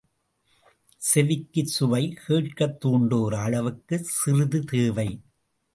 செவிக்குச் சுவை, கேட்கத் தூண்டுகிற அளவுக்குச் சிறிது தேவை.